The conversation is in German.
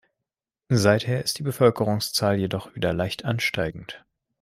Seither ist die Bevölkerungszahl jedoch wieder leicht ansteigend.